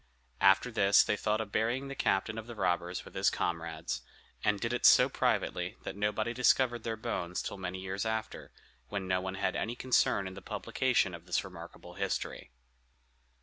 After this they thought of burying the captain of the robbers with his comrades, and did it so privately that nobody discovered their bones till many years after, when no one had any concern in the publication of this remarkable history.